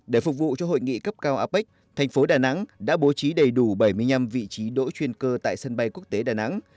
để phục vụ cho hội nghị cấp cao apec thành phố đà nẵng đã bố trí đầy đủ bảy mươi năm vị trí đỗ chuyên cơ tại sân bay quốc tế đà nẵng